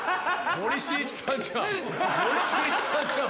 森進一さんじゃん